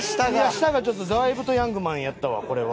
下がだいぶとヤングマンやったわこれは。